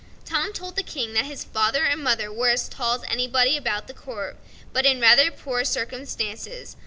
Tom told the King that his father and mother were as tall as anybody about the court, but in rather poor circumstances.